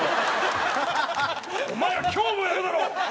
お前ら今日もやるだろ！